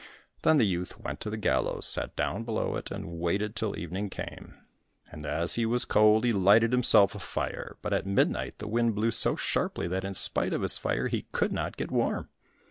Then the youth went to the gallows, sat down below it, and waited till evening came. And as he was cold, he lighted himself a fire, but at midnight the wind blew so sharply that in spite of his fire, he could not get warm.